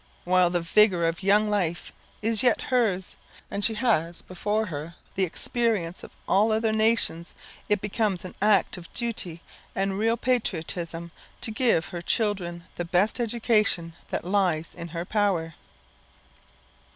While the vigour of young life is yet hers, and she has before her the experience of all other nations, it becomes an act of duty and real patriotism to give to her children the best education that lies in her power.